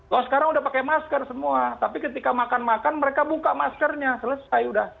kalau sekarang udah pakai masker semua tapi ketika makan makan mereka buka maskernya selesai